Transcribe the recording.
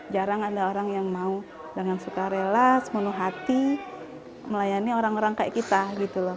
jarang ada orang yang mau dengan suka relas menu hati melayani orang orang kayak kita gitu loh